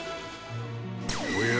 おや？